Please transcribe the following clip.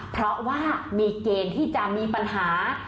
เพราะว่ามีเกณฑ์ที่จะมีปัญหา